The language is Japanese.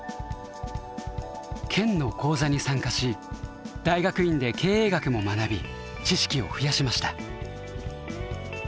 県の講座に参加し大学院で経営学も学び知識を増やしました。